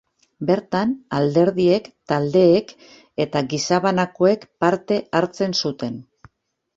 Bertan, alderdiek, taldeek eta gizabanakoek parte hartzen zuten.